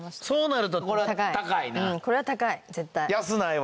そうなるとこれは高いな。